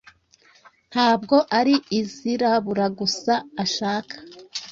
Ntabwo ari izirabura gusa ashaka